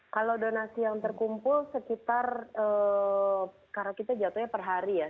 kalau donasi yang terkumpul sekitar karena kita jatuhnya per hari ya